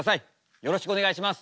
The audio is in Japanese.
よろしくお願いします。